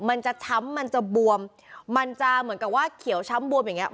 มันจะช้ำมันจะบวมมันจะเหมือนกับว่าเขียวช้ำบวมอย่างเงี้